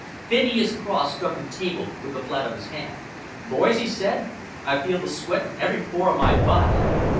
Phineas Cross struck the table with the flat of his hand. "Boys," he said, "I feel the sweat in every pore of my body.